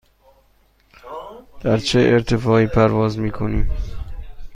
در چه ارتفاعی پرواز می کنیم؟